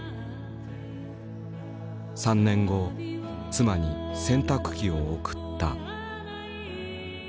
３年後妻に洗濯機を贈った。